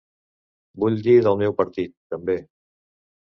Vull dir del meu partit, també.